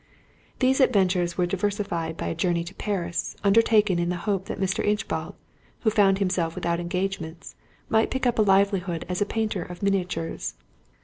These adventures were diversified by a journey to Paris, undertaken in the hope that Mr. Inchbald, who found himself without engagements, might pick up a livelihood as a painter of miniatures.